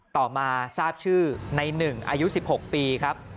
ต่อมาทราบชื่อในหนึ่งอายุ๑๖ปีครับ